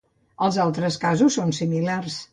Els altres casos són similars.